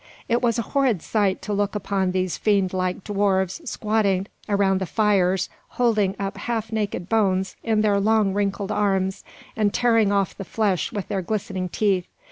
It was a horrid sight to look upon these fiend like dwarfs squatted around the fires, holding up half naked bones in their long, wrinkled arms, and tearing off the flesh with their glistening teeth.